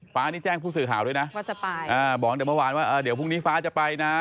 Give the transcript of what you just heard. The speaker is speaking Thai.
ฟ้านี่แจ้งผู้สือข่าวด้วยนะบอกจากเมื่อวานว่าเดี๋ยวพรุ่งนี้ฟ้าจะไปนะ